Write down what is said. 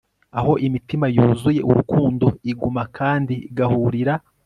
aho imitima yuzuye urukundo iguma kandi igahurira